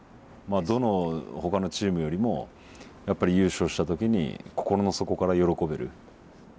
まあどのほかのチームよりもやっぱり優勝した時に心の底から喜べる。